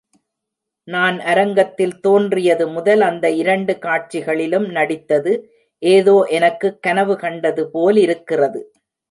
நான் அரங்கத்தில் தோன்றியது முதல், அந்த இரண்டு காட்சிகளிலும் நடித்தது ஏதோ எனக்குக் கனவு கண்டது போலிருக்கிறது.